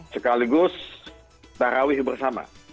sekaligus darawih bersama